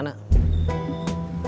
anak buah kang darman